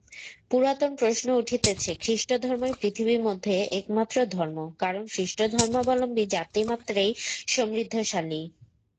পুরাতন প্রশ্ন উঠিতেছে খ্রীষ্টধর্মই পৃথিবীমধ্যে একমাত্র ধর্ম, কারণ খ্রীষ্টধর্মাবলম্বী জাতিমাত্রেই সমৃদ্ধিশালী।